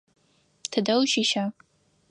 Тыдэ ущыща?